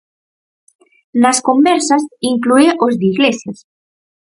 Nas conversas inclúe os de Iglesias.